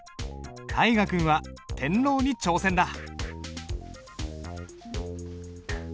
大河君は「天朗」に挑戦だ。